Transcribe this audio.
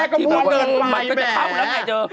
มันก็จะเข้าแล้วไงเจอ